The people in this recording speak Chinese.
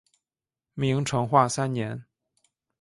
明成化三年。